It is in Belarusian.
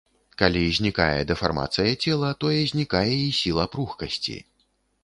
Калі знікае дэфармацыя цела, тое знікае і сіла пругкасці.